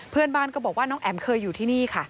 เพื่อนบ้านก็บอกว่าน้องแอ๋มเคยอยู่ที่นี่ค่ะ